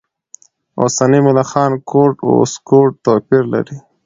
اوسني ملخان کورټ و سکوټ توپیر لري.